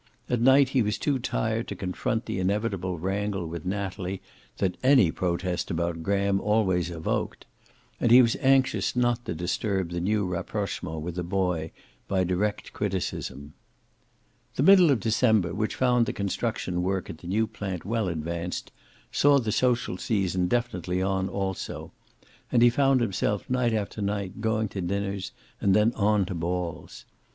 At night he was too tired to confront the inevitable wrangle with Natalie that any protest about Graham always evoked, and he was anxious not to disturb the new rapprochement with the boy by direct criticism. The middle of December, which found the construction work at the new plant well advanced, saw the social season definitely on, also, and he found himself night after night going to dinners and then on to balls.